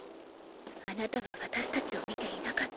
あなたはわたしたちをみていなかった。